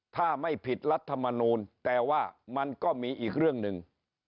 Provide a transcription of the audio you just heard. ถ้าไม่ผิดรัฐมนูลแต่ว่ามันก็มีอีกเรื่องหนึ่ง